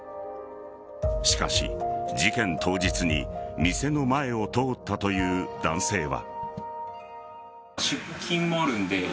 しかし、事件当日に店の前を通ったという男性は。